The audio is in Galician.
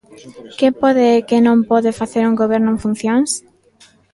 Que pode e que non pode facer un Goberno en funcións?